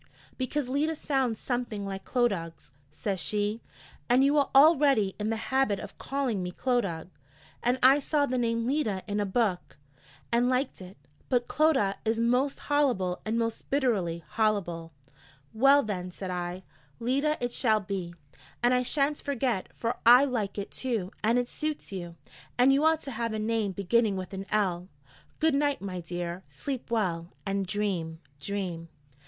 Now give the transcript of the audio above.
'Because Leda sounds something like Clodagh,' says she, 'and you are al leady in the habit of calling me Clodagh; and I saw the name Leda in a book, and liked it: but Clodagh is most hollible, most bitterly hollible!' 'Well, then,' said I, 'Leda it shall be, and I shan't forget, for I like it, too, and it suits you, and you ought to have a name beginning with an "L." Good night, my dear, sleep well, and dream, dream.'